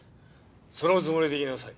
そのつもりでいなさい。